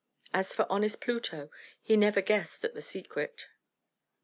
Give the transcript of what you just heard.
As for honest Pluto, he never guessed at the secret.